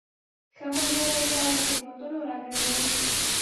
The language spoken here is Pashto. ښه ملګری تا له تیروتنو راګرځوي.